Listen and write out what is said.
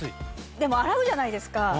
でも洗うじゃないですか。